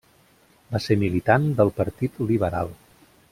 Va ser militant del Partit Liberal.